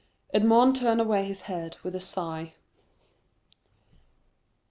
Edmond turned away his head with a sigh.